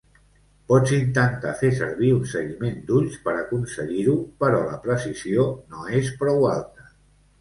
Pots intentar fer servir un seguiment d'ulls per aconseguir-ho, però la precisió no és prou alta.